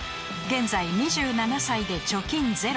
［現在２７歳で貯金ゼロ］